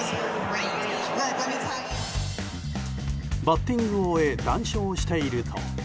バッティングを終え談笑していると。